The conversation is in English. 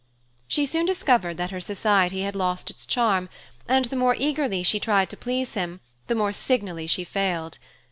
She soon discovered that her society had lost its charm, and the more eagerly she tried to please him, the more signally she failed.